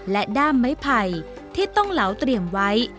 และด้ามไม้ไผ่ที่ต้องเหลาเตรียมไว้